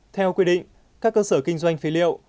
theo quy định các cơ sở kinh doanh phế liệu